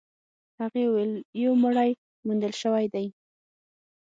هغې وويل يو مړی موندل شوی دی.